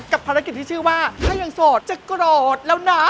ภารกิจที่ชื่อว่าถ้ายังโสดจะโกรธแล้วนะ